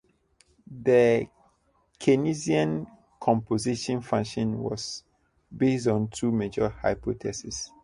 The Keynesian consumption function was based on two major hypotheses.